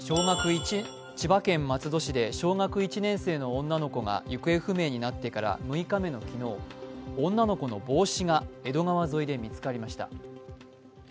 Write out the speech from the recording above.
千葉県松戸市で小学１年生の女の子が行方不明になってから６日目の昨日、女の子の帽子が江戸川沿いで見つかりました。